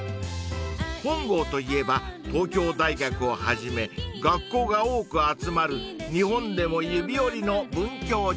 ［本郷といえば東京大学をはじめ学校が多く集まる日本でも指折りの文教地区］